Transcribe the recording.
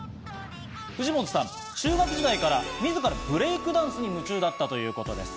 藤本さん、中学時代から自らもブレイクダンスに夢中だったということです。